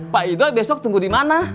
pak iqbal besok tunggu di mana